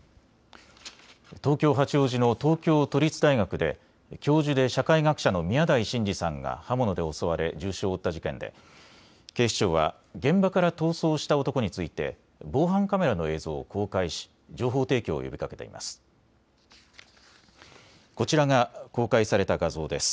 東京八王子の東京都立大学で教授で社会学者の宮台真司さんが刃物で襲われ重傷を負った事件で警視庁は現場から逃走した男について防犯カメラの映像を公開し情報提供を呼びかけています。